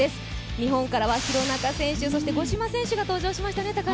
日本からは廣中選手そして五島選手が登場しましたね。